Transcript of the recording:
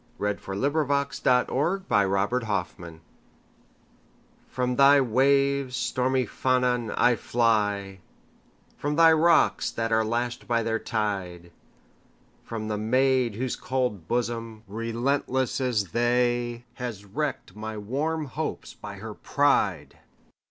Wales: Llannon Song By Anna Seward (1747–1809) FROM thy waves, stormy Llannon, I fly; From thy rocks, that are lashed by their tide; From the maid whose cold bosom, relentless as they, Has wrecked my warm hopes by her pride!